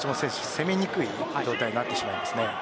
攻めにくい状態になってしまいますね。